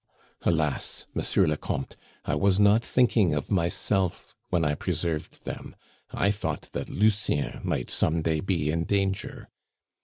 Alas! Monsieur le Comte, I was not thinking of myself when I preserved them; I thought that Lucien might some day be in danger!